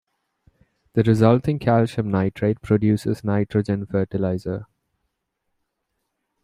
The resulting calcium nitrate produces nitrogen fertilizer.